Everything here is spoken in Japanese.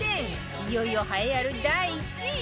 いよいよ栄えある第１位！